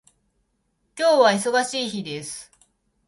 今日は忙しい日です